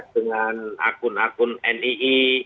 dengan akun akun nii